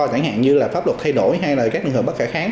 chẳng hạn như là pháp luật thay đổi hay là các trường hợp bất khả kháng